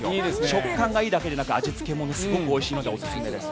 食感がいいだけじゃなく味付けもすごくいいのでおすすめです。